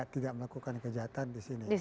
tidak melakukan kejahatan di sini